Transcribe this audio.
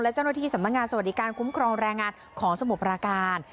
และเจ้าหน้าที่สำนักงานสวัสดิการคุ้มครองแรงงานของสมุทรปราการ